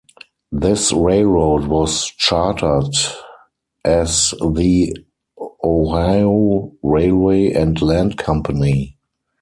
This railroad was chartered as the Oahu Railway and Land Company.